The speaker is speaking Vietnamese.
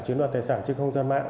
chiến đoàn tài sản trên không gian mạng